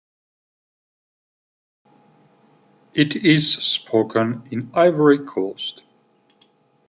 It is spoken in Ivory Coast.